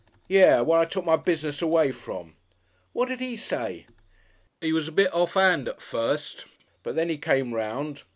"Yes. What I took my business away from!" "What did he say?" "He was a bit off'and at first, but then 'e come 'round.